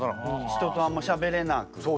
人とあんましゃべれなくて。